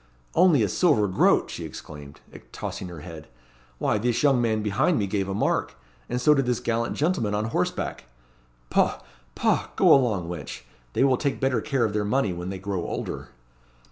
"Only a silver groat!" she exclaimed, tossing her head. "Why, this young man behind me gave a mark; and so did this gallant gentleman on horseback." "Poh! poh! go along, wench. They will take better care of their money when they grow older."